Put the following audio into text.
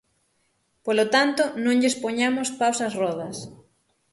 Polo tanto, non lles poñamos paus ás rodas.